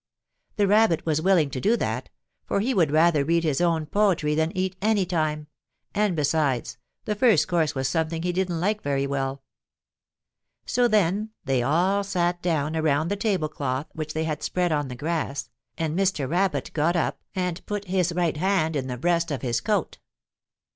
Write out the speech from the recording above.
The Rabbit was willing to do that, for he would rather read his own poetry than eat any time, and, besides, the first course was something he didn't like very well. So then they all sat down around the table cloth which they had spread on the grass, and Mr. Rabbit got up and put his right hand in the breast of his coat.